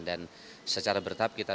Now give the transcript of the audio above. dan secara bertahap kita